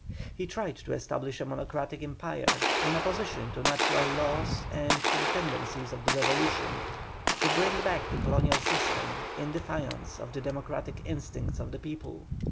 He tried to establish a monocratic empire in opposition to natural laws and to the tendencies of the Revolution; to bring back the colonial system in defiance of the democratic instincts of the people.